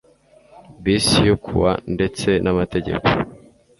bis yo ku wa ndetse n Amategeko